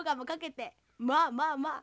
まあまあまあ。